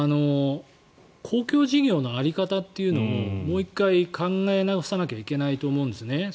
公共事業の在り方っていうのをもう１回考え直さなきゃいけないと思うんですね。